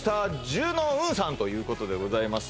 ＪＵＮＯＮさんということでございます